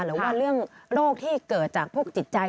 หรือว่าเรื่องโรคที่เกิดจากพวกจิตใจ